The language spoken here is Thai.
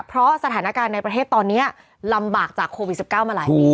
เพราะสถานการณ์ในประเทศตอนนี้ลำบากจากโควิด๑๙มาหลายปี